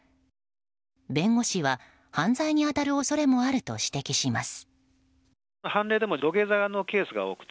弁護士は犯罪に当たる恐れもあると指摘します。